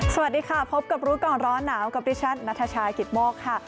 สวัสดีค่ะพบกับรู้ก่อนร้อนหนาวกับดิฉันนัทชายกิตโมกค่ะ